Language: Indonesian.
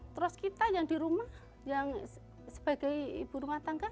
terus kita yang di rumah yang sebagai ibu rumah tangga